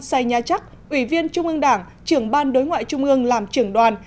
sai nha chắc ủy viên trung ương đảng trưởng ban đối ngoại trung ương làm trưởng đoàn